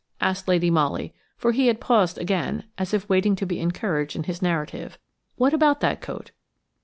asked Lady Molly, for he had paused again, as if waiting to be encouraged in his narrative, "what about that coat?"